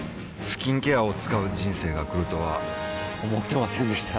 スキンケアを使う人生が来るとは思ってませんでした